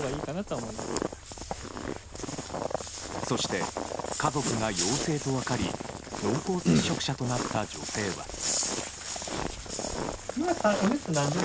そして家族が陽性と分かり濃厚接触者となった女性は。